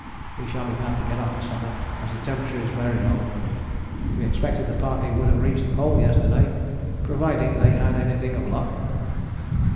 We shall be glad to get off the Summit, as the temperature is very low. We expected the party would have reached the Pole yesterday, providing they had anything of luck.